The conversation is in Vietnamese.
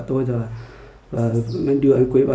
đe dọa bạn